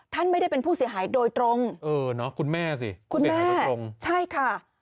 ท่านไม่ได้เป็นผู้เสียหายโดยตรงเออเนอะคุณแม่สิคุณแม่หายโดยตรงใช่ค่ะ